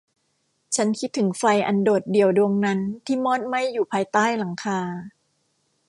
ฉันคิดถึงไฟอันโดดเดี่ยวดวงนั้นที่มอดไหม้อยู่ภายใต้หลังคา